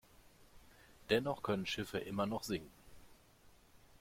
Dennoch können Schiffe immer noch sinken.